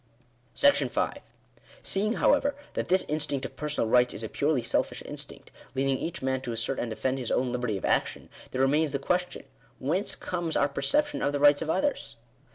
§ 5. Seeing, however, that this instinct of personal rights is a purely selfish instinct, leading each man to assert and defend his own liberty of action, there remains the question — Whence comes our perception of the rights of others